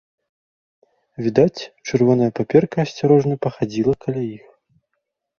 Відаць, чырвоная паперка асцярожна пахадзіла каля іх.